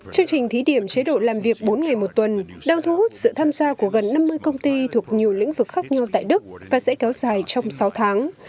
chương trình thí điểm chế độ làm việc bốn ngày một tuần đang thu hút sự tham gia của gần năm mươi công ty thuộc nhiều lĩnh vực khác nhau tại đức và sẽ kéo dài trong sáu tháng